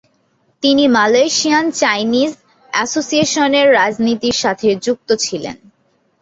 তিনি Malaysian Chinese অ্যাসোসিয়েশনের রাজনীতির সাথে যুক্ত ছিলেন।